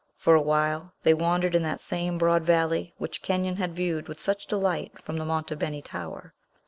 For a while, they wandered in that same broad valley which Kenyon had viewed with such delight from the Monte Beni tower.